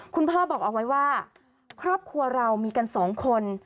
พ่อบอกเอาไว้ว่าครอบครัวเรามีกันสองคน